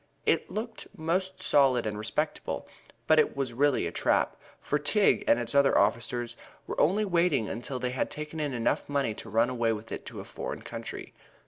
It looked most solid and respectable, but it was really a trap, for Tigg and its other officers were only waiting until they had taken in enough money to run away with it to a foreign country.